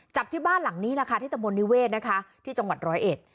จับที่บ้านหลังนี้แหละค่ะที่ตะมนนิเวศนะคะที่จังหวัดร้อยเอ็ด